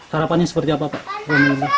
harapannya seperti apa pak